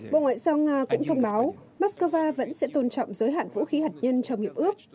bộ ngoại giao nga cũng thông báo moscow vẫn sẽ tôn trọng giới hạn vũ khí hạt nhân trong hiệp ước